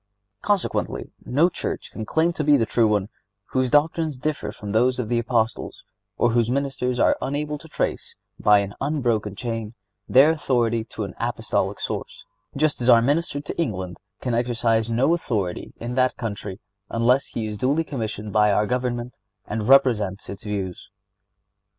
Consequently, no church can claim to be the true one whose doctrines differ from those of the Apostles, or whose ministers are unable to trace, by an unbroken chain, their authority to an Apostolic source; just as our Minister to England can exercise no authority in that country unless he is duly commissioned by our Government and represents its views.